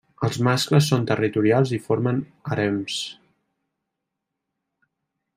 Els mascles són territorials i formen harems.